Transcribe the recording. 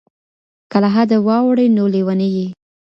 که له حده واوړې نو لیونی یې.